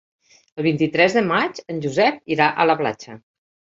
El vint-i-tres de maig en Josep irà a la platja.